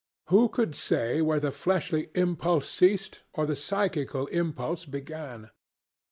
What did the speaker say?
Who could say where the fleshly impulse ceased, or the psychical impulse began?